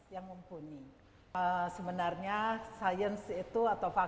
yang mempunyai fasilitas yang mempunyai